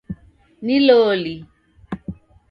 Ni loli ?